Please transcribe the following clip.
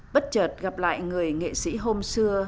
bất chợt gặp lại người nghệ sĩ hôm xưa